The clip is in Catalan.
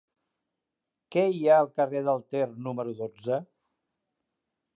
Què hi ha al carrer del Ter número dotze?